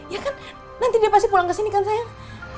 ya kan nanti dia pasti pulang kesini kan sayang